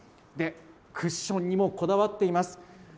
で、クッションにもこだわっています。